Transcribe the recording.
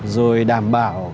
rồi đảm bảo